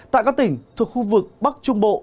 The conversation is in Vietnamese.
tại các tỉnh thuộc khu vực bắc trung bộ